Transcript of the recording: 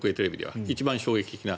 一番衝撃的な。